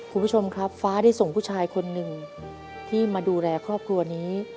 คุณผู้ชมครับฟ้าได้ส่งผู้ชายคนหนึ่งที่มาดูแลครอบครัวนี้